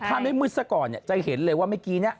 ถ้าไม่มืดซะก่อนเนี่ยจะเห็นเลยว่าเมื่อกี้เนี่ย